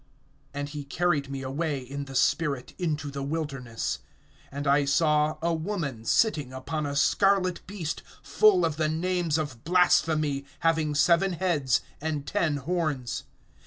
(3)And he carried me away in the spirit into the wilderness. And I saw a woman sitting upon a scarlet beast, full of the names of blasphemy, having seven heads and ten horns.